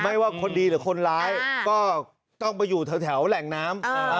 ไม่ว่าคนดีหรือคนร้ายก็ต้องไปอยู่แถวแหล่งน้ำ